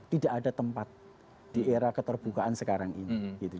tidak ada tempat di era keterbukaan sekarang ini